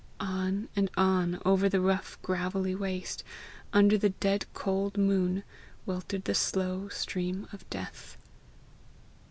On and on over the rough gravelly waste, under the dead cold moon, weltered the slow stream of death!